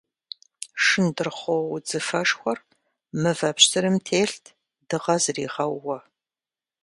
Шындырхъуо удзыфэшхуэр мывэ пщтырым телът дыгъэ зыригъэууэ.